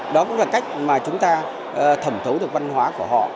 đó cũng là cách mà chúng ta thẩm thấu được văn hóa của họ